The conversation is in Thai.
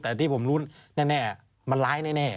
แต่ที่ผมรู้แน่มันร้ายแน่